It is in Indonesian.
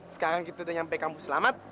sekarang kita udah nyampe kamu selamat